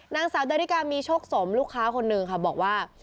นางสาวดาริกามีโชคสมลูกค้าคนหนึ่งค่ะบอกว่า